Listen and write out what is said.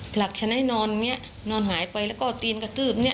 หลักฉันให้นอนอย่างนี้นอนหายไปแล้วก็ตีนกระทืบเนี่ย